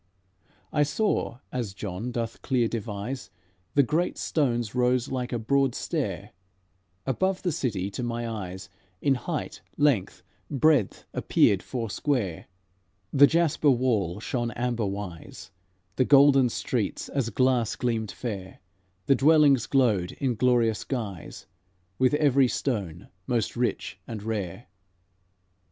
I saw, as John doth clear devise: The great stones rose like a broad stair; Above, the city, to my eyes, In height, length, breadth appeared four square; The jasper wall shone amber wise, The golden streets as glass gleamed fair; The dwellings glowed in glorious guise With every stone most rich and rare.